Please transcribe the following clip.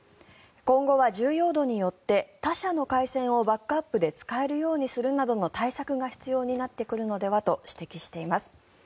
今後は重要度によって他社の回線をバックアップで使えるようにするなどの対策が必要になってくるのではと指摘しています。